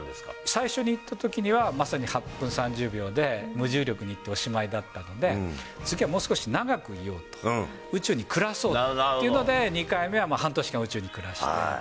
最初に行ったときには、まさに８分３０秒で、無重力に行っておしまいだったので、次はもう少し長くいようと、宇宙に暮らそうと、というので、２回目は半年間、宇宙に暮らして。